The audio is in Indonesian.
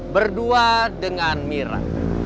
berdua dengan mira